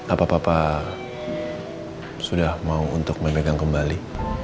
apa apa sudah mau untuk memegang kembali